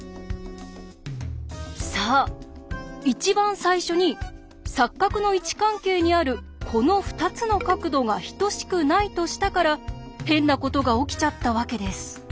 そう一番最初に錯角の位置関係にあるこの２つの角度が等しくないとしたから変なことが起きちゃったわけです。